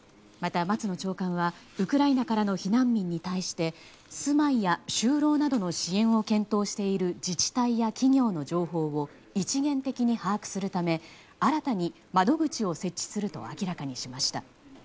また、松野長官はウクライナからの避難民に対して住まいや就労などの支援を検討している自治体や企業の情報を一元的に把握するため新たに窓口を設置すると明らかにしました。